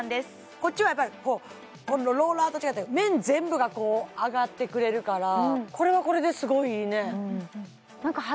こっちはやっぱり今度ローラーと違って面全部がこう上がってくれるからこれはこれですごいいいね